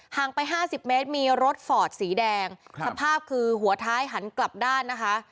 งไป๕๐เมตรมีรถฟอร์ดสีแดงสภาพคือหัวท้ายหันกลับด้านนะคะ